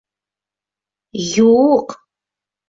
— Ю-юҡ!